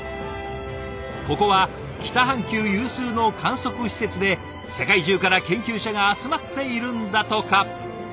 ここは北半球有数の観測施設で世界中から研究者が集まっているんだとか。